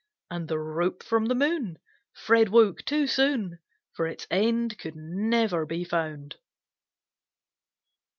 And the Rope from the Moon! Fred woke too soon, For its end could never be found.